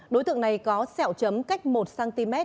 đối tượng này có sẹo chấm cách một cm